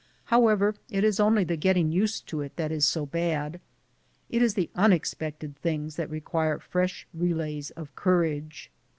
However, it is only the getting used to it that is so bad. It is the unexpected things that require fresh relays of courage.